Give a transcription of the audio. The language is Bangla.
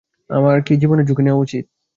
আমাদের কি জীবনের ঝুঁকি নেওয়া উচিত?